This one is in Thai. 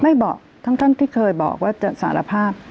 ไม่บอกทั้งที่เคยบอกว่าจะสารภาพ